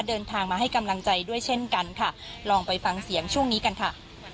เดินทางมาให้กำลังใจด้วยเช่นกันค่ะลองไปฟังเสียงช่วงนี้กันค่ะ